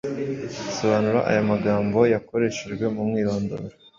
Sobanura aya magambo yakoreshejwe mu mwirondoro: